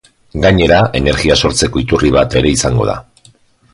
Gainera, energia sortzeko iturri bat ere izango da.